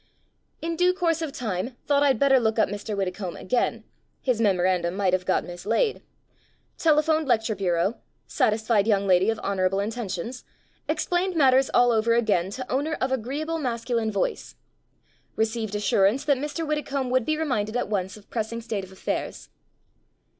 In due course of time thought I'd better look up Mr. Widdecombe again — ^his memorandum might have got mislaid. Telephoned lecture bureau. Satisfied young lady of honorable in tentions. Explained matters all over again to owner of agreeable masculine voice. Received assurance that Mr. Widdecombe would be reminded at once of pressing state of affairs.